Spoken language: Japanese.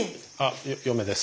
嫁です。